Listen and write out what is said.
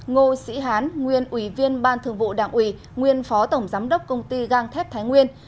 ngô sĩ hán nguyên ủy viên ban thường vụ đảng ủy nguyên phó tổng giám đốc công ty gang thép thái nguyên